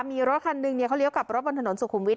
มีรถคันนึงมีการฟัมไดรยรบเหลียวกับรถบนถนนสุขุมวิทย์